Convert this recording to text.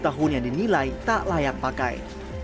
dua puluh tahun yang dinilai tak layak pakai